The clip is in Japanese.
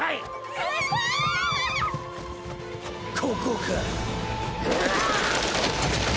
ここか。